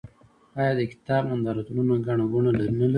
آیا د کتاب نندارتونونه ګڼه ګوڼه نلري؟